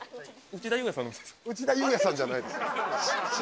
内田裕也さんじゃないです